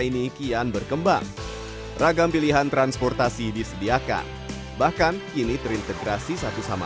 ini kian berkembang ragam pilihan transportasi disediakan bahkan kini terintegrasi satu sama